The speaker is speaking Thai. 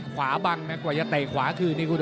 ขวาบังกว่าเด๋ยวที่จะเตะขวาขึ้น